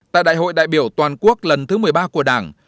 tại đại hội đại biểu toàn quốc lần thứ một mươi ba của đảng